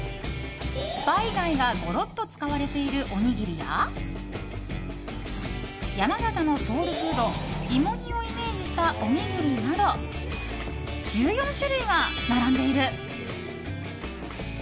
バイ貝がごろっと使われているおにぎりや山形のソウルフード、芋煮をイメージしたおにぎりなど１４種類が並んでいる。